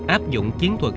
áp dụng chiến thuật